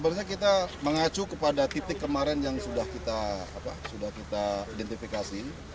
sebenarnya kita mengacu kepada titik kemarin yang sudah kita identifikasi